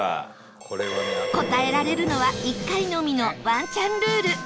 答えられるのは１回のみのワンチャンルール